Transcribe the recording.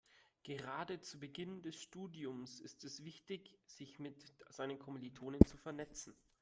Gerade zu Beginn des Studiums ist es wichtig, sich mit seinen Kommilitonen zu vernetzen.